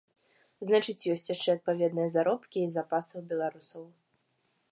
Значыць, ёсць яшчэ адпаведныя заробкі і запасы ў беларусаў.